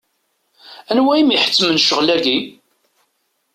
Anwa i m-iḥettmen ccɣel-agi?